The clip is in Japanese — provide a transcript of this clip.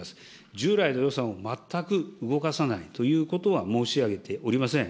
従来の予算を全く動かさないということは申し上げておりません。